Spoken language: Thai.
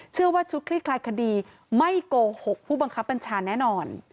เชื่อว่าชุดคลิกคลายคดีไม่โกหกผู้บังคับปัญชาแน่นอน